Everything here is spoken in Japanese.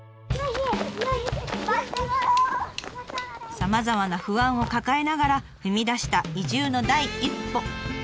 さまざまな不安を抱えながら踏み出した移住の第一歩。